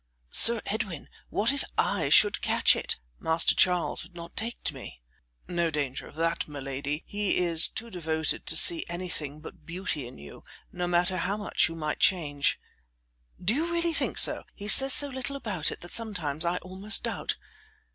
Sir Edwin, what if I should catch it? Master Charles would not take me." "No danger of that, my lady; he is too devoted to see anything but beauty in you, no matter how much you might change." "Do you really think so? He says so little about it that sometimes I almost doubt."